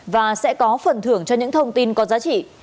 và sẽ có phần thưởng cho những thông tin có giá trị